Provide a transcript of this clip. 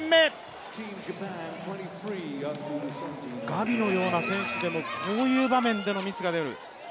ガビのような選手でも、こういう場面でのミスが出る。